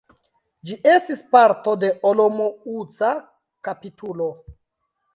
Ĝi estis parto de olomouca kapitulo.